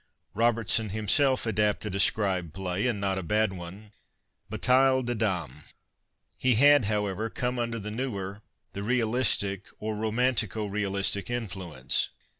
Robertson himself adajjtcd a Scribe play (and not a bad one), Bataille de Dames. lie had, however, come under the newer, the realistic, or romantico realistic indueiiee.